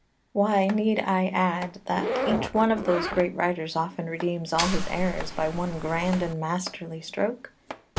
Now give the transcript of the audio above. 2 Why need I add that each one of those great writers often redeems all his errors by one grand and masterly stroke?